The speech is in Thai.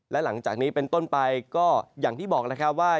และหลังจากนี้เป็นต้นไปก็อย่างที่บอกแล้วครับว่า